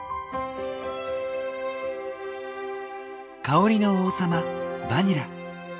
香りの王様バニラ。